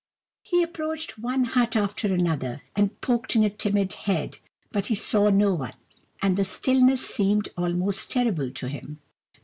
He approached one hut after another, and poked in a timid head, but he saw no one, and the stillness seemed almost terrible to him.